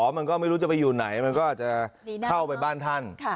มันก็ไม่รู้จะไปอยู่ไหนมันก็อาจจะเข้าไปบ้านท่าน